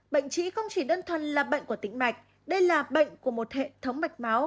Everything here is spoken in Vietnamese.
bệnh chỉ không chỉ đơn thuần là bệnh của tỉnh mạch đây là bệnh của một hệ thống mạch máu